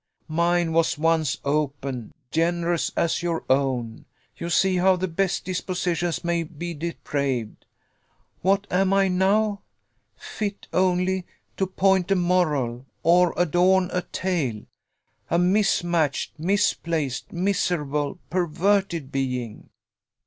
Mine was once open, generous as your own you see how the best dispositions may be depraved what am I now? Fit only 'To point a moral, or adorn a tale' a mismatched, misplaced, miserable, perverted being."